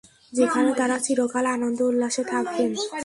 যেখানে তারা চিরকাল আনন্দ-উল্লাসে থাকবেন।